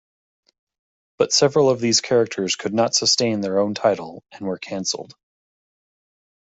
But several of these characters could not sustain their own title and were cancelled.